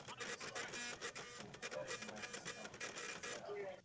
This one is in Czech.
Pak patrně jako tovaryš navštívil Prahu a také Kolín nad Rýnem a Štrasburk.